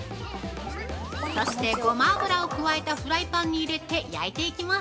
◆そしてゴマ油を加えたフライパンに入れて焼いていきます。